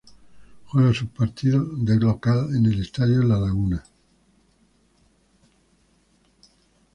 Juega sus partidos de local en el Estadio La Laguna.